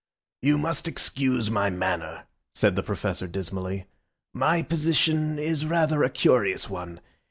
"You must excuse my manner," said the Professor dismally, "my position is rather a curious one.